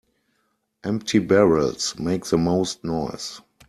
Empty barrels make the most noise.